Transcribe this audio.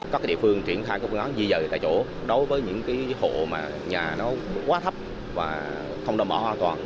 các địa phương triển khai các phương án di rời tại chỗ đối với những cái hộ mà nhà nó quá thấp và không đâm bỏ hoàn toàn